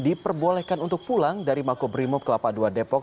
diperbolehkan untuk pulang dari mako brimob kelapa dua depok